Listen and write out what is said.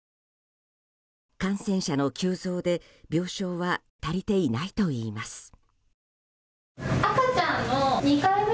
感染者の急増で病床は足りていないといいます。